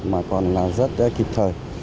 mà còn là rất là kịp thời